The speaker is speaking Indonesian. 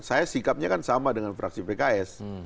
saya sikapnya kan sama dengan fraksi pks